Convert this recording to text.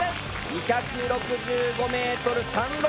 ２６５．３６